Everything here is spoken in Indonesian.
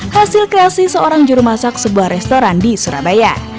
hasil kreasi seorang jurumasak sebuah restoran di surabaya